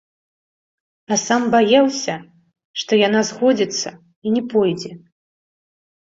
А сам баяўся, што яна згодзіцца і не пойдзе.